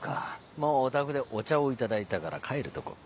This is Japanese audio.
もうお宅でお茶をいただいたから帰るとこ。